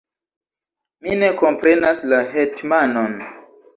Mi ne komprenas la hetmanon.